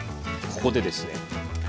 ここでですね